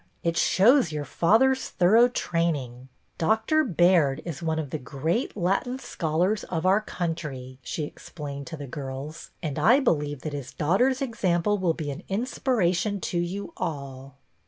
It shows your father's thorough training. Doctor Baird is one of the great Latin scholars of THE DUEL — AFTER ALL 95 our country," she explained to the girls, "and I believe that his daughter's example will be an inspiration to you all."